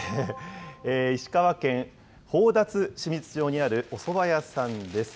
石川県宝達志水町にあるおそば屋さんです。